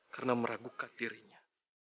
karena meragukan dirinya